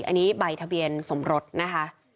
อันนี้ใบทะเบียนสมรสนะคะ